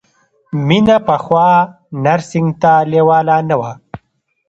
مینه پخوا نرسنګ ته لېواله نه وه